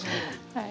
はい。